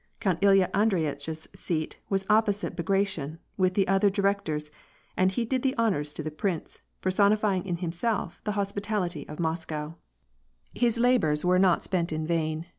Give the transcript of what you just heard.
Count Ilya Andreyitch's seat was opposite Bagration, with the other di rectors, and he did the honors to the prince, personifying in himself the hospitality of Moscow, WAtt AND PMACti. 19 • His labors were not spent in vain.